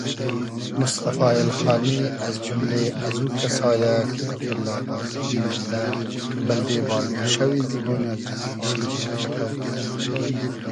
موستئفا اېلخانی از جوملې ازوکئسا یۂ کی دۂ کېبلاغی آزرگی مئندۂ بئلدې بال بورشئوی زیبۉنی آزرگی شیجیر تئکۆ کیدۂ